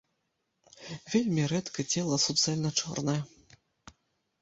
Вельмі рэдка цела суцэльна чорнае.